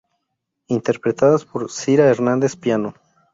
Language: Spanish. Interpretadas por Sira Hernandez, piano.